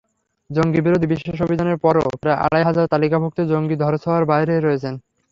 জঙ্গিবিরোধী বিশেষ অভিযানের পরও প্রায় আড়াই হাজার তালিকাভুক্ত জঙ্গি ধরাছোঁয়ার বাইরে রয়েছেন।